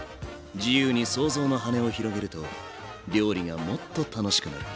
自由に想像の羽を広げると料理がもっと楽しくなる。